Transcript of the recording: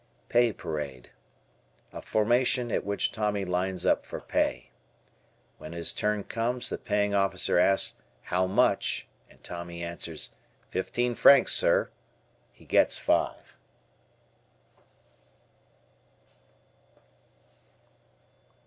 Pay Parade. A formation at which Tommy lines up for pay. When his turn comes the paying officer asks, "How much?" and Tommy answers, "Fifteen francs, sir." He gets five.